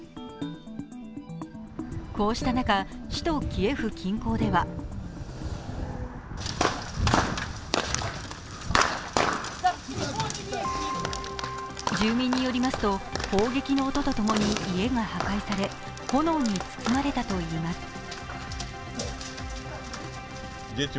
こうした中、首都キエフ近郊では住民によりますと、砲撃の音とともに家が破壊され炎に包まれたといいます。